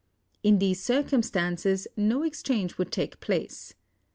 In these circumstances no exchange would take place.